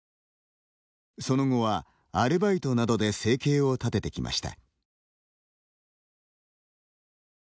その後はアルバイトなどで生計を立ててきました。